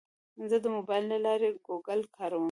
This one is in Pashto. زه د موبایل له لارې ګوګل کاروم.